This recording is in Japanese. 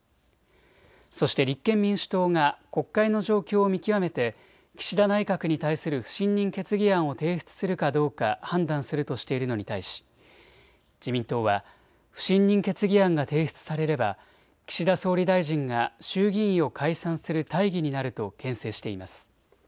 そして立憲民主党が国会の状況を見極めて岸田内閣に対する不信任決議案を提出するかどうか判断するとしているのに対し自民党は不信任決議案が提出されれば岸田総理大臣が衆議院を解散する大義になるとけん制しています。